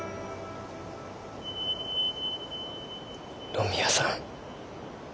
野宮さん。